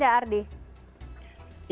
ya mungkin tadi ini